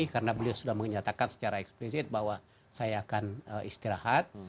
karena beliau sudah menyatakan secara eksplisit bahwa saya akan istirahat